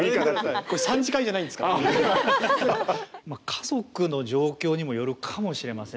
家族の状況にもよるかもしれませんね。